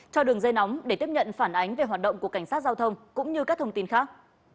cho đường dây nóng để tiếp nhận phản ánh về hoạt động của cảnh sát giao thông cũng như các thông tin khác